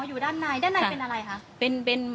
อยู่ด้านในด้านในเป็นอะไรคะ